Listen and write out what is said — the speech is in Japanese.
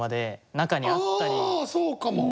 そうかも。